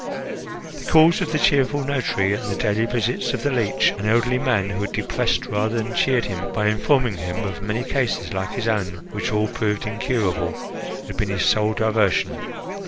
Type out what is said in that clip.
The calls of the cheerful notary and the daily visits of the leech, an elderly man, who had depressed rather than cheered him by informing him of many cases like his own which all proved incurable, had been his sole diversion.